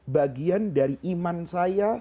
bagian dari iman saya